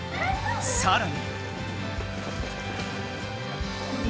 さらに。